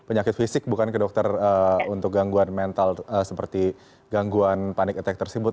penyakit fisik bukan ke dokter untuk gangguan mental seperti gangguan panic attack tersebut